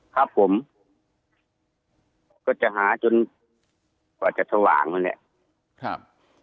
ครับผมก็จะหาจนกว่าจะทะวางนะเนี่ยครับ